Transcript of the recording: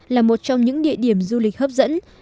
là một trong những địa điểm du lịch hấp dẫn